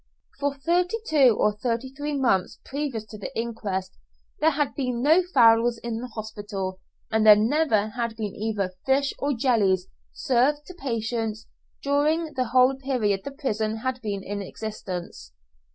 For thirty two or thirty three months previous to the inquest there had been no fowls in the hospital, and there never had been either fish or jellies served out to patients during the whole period the prison had been in existence.